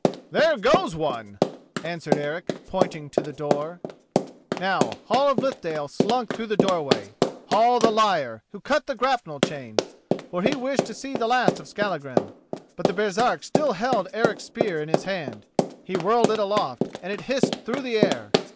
"There goes one," answered Eric, pointing to the door. Now Hall of Lithdale slunk through the doorway—Hall, the liar, who cut the grapnel chain—for he wished to see the last of Skallagrim. But the Baresark still held Eric's spear in his hand. He whirled it aloft, and it hissed through the air.